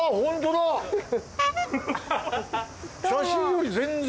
写真より全然！